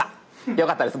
よかったです。